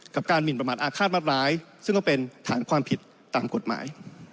การหมินประมาทอาฆาตมัดร้ายซึ่งก็เป็นฐานความผิดตามกฎหมาย